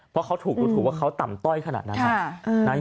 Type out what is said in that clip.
เพราะเขาถูกดูถูกว่าเขาต่ำต้อยขนาดนั้น